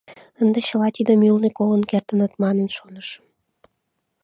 Ынде чыла тидым ӱлнӧ колын кертыныт манын шонышым.